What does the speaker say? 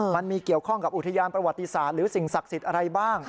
มันมีเกี่ยวข้องกับอุทยานประวัติศาสตร์หรือสิ่งศักดิ์สิทธิ์อะไรบ้าง